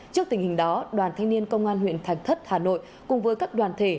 trước tình hình đó đoàn thanh niên công an huyện thạch thất hà nội cùng với các đoàn thể